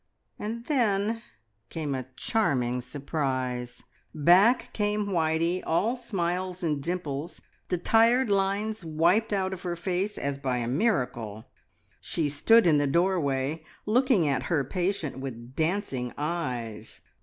And then came a charming surprise! Back came Whitey all smiles and dimples, the tired lines wiped out of her face as by a miracle. She stood in the doorway, looking at her patient with dancing eyes.